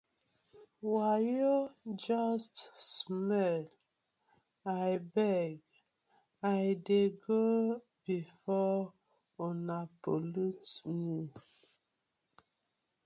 Wayo just smell, I beg I dey go befor una pollute mi.